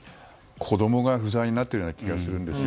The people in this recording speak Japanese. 子供が不在になっているような気がするんです。